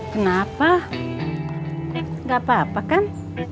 kenapa nggak apa apa kan